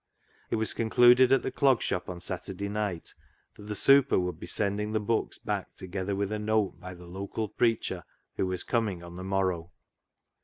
It was concluded at the Clog Shop on Saturday night that the " super " would be sending the books back together with a note by the local preacher who was coming on the morrow.